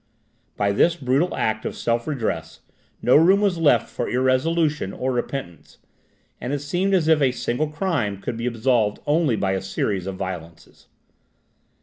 By this brutal act of self redress, no room was left for irresolution or repentance, and it seemed as if a single crime could be absolved only by a series of violences.